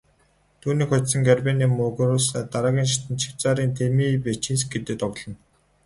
Түүнийг хожсон Гарбинэ Мугуруса дараагийн шатанд Швейцарын Тимея Бачинскитэй тоглоно.